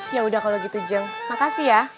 yaudah kalo gitu jeng makasih ya